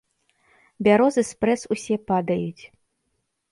Бярозы спрэс усе падаюць.